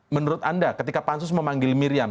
menurut anda ketika pansus memanggil miriam